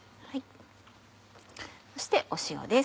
そして塩です。